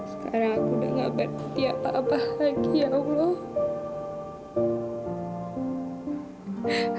sekarang aku udah gak berhenti apa apa lagi ya allah